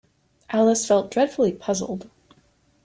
Alice felt dreadfully puzzled.